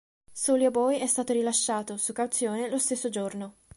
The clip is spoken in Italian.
Soulja Boy è stato rilasciato, su cauzione, lo stesso giorno.